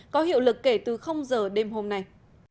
có hiệu lực kể từ giờ đêm hôm nay